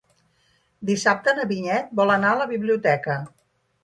Dissabte na Vinyet vol anar a la biblioteca.